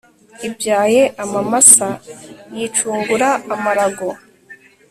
ibyaye amamasa yicungura amarago